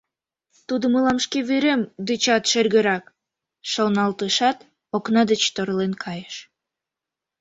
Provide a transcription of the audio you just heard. Тудо мылам шке вӱрем дечат шергырак», — шоналтышат, окна деч торлен кайыш.